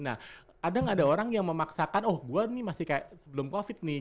nah ada gak ada orang yang memaksakan oh gua ini masih kayak sebelum covid